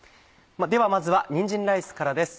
ではまずはにんじんライスからです。